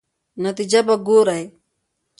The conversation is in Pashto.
نتیجه به ګورئ.